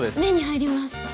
目に入ります。